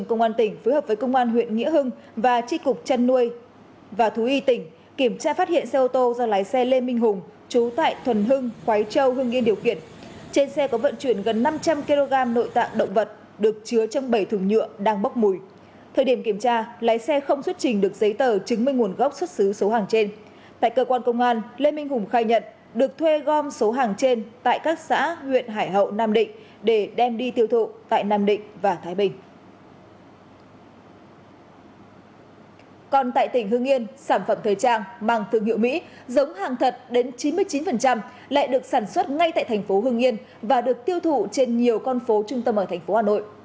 còn tại tỉnh hương yên sản phẩm thời trang mang thương hiệu mỹ giống hàng thật đến chín mươi chín lại được sản xuất ngay tại thành phố hương yên và được tiêu thụ trên nhiều con phố trung tâm ở thành phố hà nội